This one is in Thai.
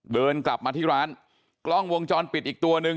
เดินกลับมาที่ร้านกล้องวงจรปิดอีกตัวหนึ่ง